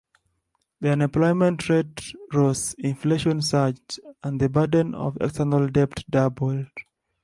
The unemployment rate rose, inflation surged, and the burden of external debt doubled.